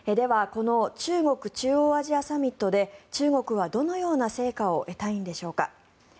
この中国・中央アジアサミットで中国は、どのような成果を得たいんでしょうか。